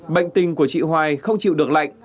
bệnh tình của chị hoài không chịu được lạnh